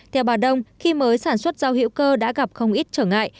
theo bà đông khi mới sản xuất rau hữu cơ đã gặp không ít trở ngại